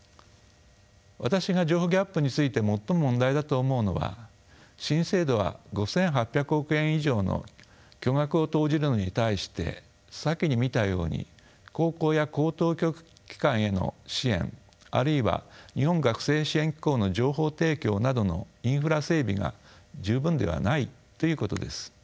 私が情報ギャップについて最も問題だと思うのは新制度は５，８００億円以上の巨額を投じるのに対して先に見たように高校や高等教育機関への支援あるいは日本学生支援機構の情報提供などのインフラ整備が十分ではないということです。